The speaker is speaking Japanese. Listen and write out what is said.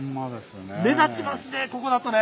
目立ちますね